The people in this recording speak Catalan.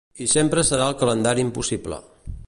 I sempre serà un calendari impossible.